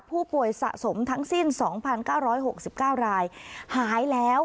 ผู้ป่วยสะสมทั้งสิ้นสองพันเก้าร้อยหกสิบเก้ารายหายแล้ว